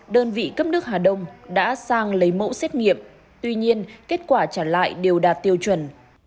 đơn vị cấp nước hà đông đã sang lấy mẫu xét nghiệm tuy nhiên kết quả trả lại đều đạt tiêu chuẩn